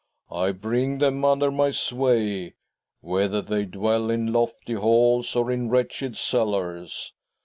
" I bring them under my sway, whether they dwell in lofty halls or in wretched cellars.